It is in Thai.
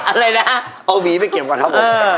อะไรนะเอาหวีไปเก็บก่อนครับผม